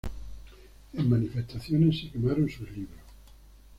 En manifestaciones se quemaron sus libros.